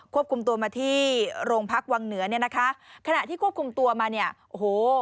คุมตัวมาที่โรงพักวังเหนือเนี่ยนะคะขณะที่ควบคุมตัวมาเนี่ยโอ้โห